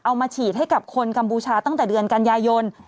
เอามาฉีดให้กับคนกัมพูชาตั้งแต่เดือนกันยายน